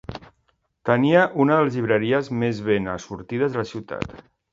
Tenia una de les llibreries més ben assortides de la ciutat.